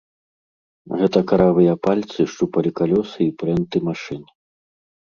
Гэта каравыя пальцы шчупалі калёсы і прэнты машын.